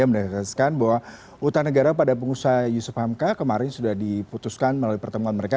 yang menegaskan bahwa utang negara pada pengusaha yusuf hamka kemarin sudah diputuskan melalui pertemuan mereka